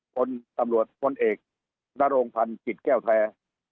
พลตำรวจพลเอกนโรงพันธ์จิตแก้วแท้